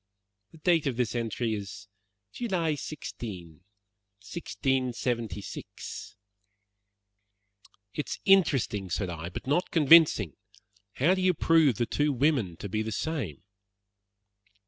"The date of this entry is July 16, 1676." "It is interesting," said I, "but not convincing. How do you prove the two women to be the same?"